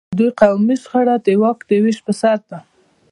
د دوی قومي شخړه د واک د وېش پر سر ده.